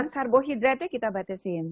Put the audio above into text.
karbohidratnya kita batasin